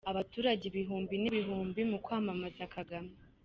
Abaturage ibihumbi n'ibihumbi mu kwamamaza Kagame.